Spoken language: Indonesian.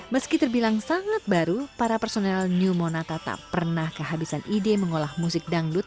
meski terbilang sangat baru para personel new monata tak pernah kehabisan ide mengolah musik dangdut